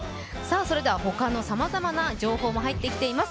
ほかのさまざまな情報も入ってきています。